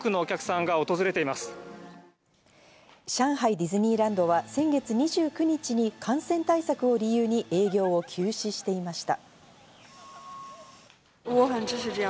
ディズニーランドは先月２９日に感染対策を理由に営業を休止していました。